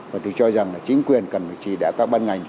và tôi cho rằng là chính quyền cần phải chỉ đạo các ban ngành